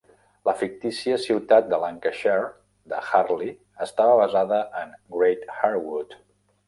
La fictícia ciutat de Lancashire de Hartley estava basada en Great Harwood.